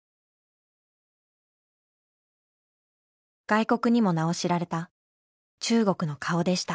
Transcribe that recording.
外国にも名を知られた中国の顔でした。